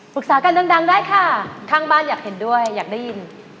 กันดังได้ค่ะข้างบ้านอยากเห็นด้วยอยากได้ยิน